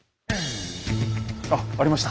あっありました。